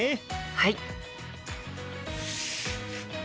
はい。